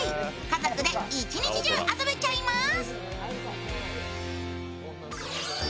家族で一日中、遊べちゃいます。